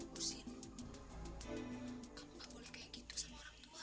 orsin kamu gak boleh kaya gitu sama orang tua